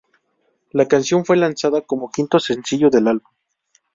La canción fue lanzada como quinto sencillo del álbum.